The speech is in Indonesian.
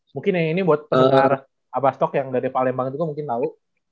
mungkin ini buat pengenar abastok yang dari palembang itu mungkin tau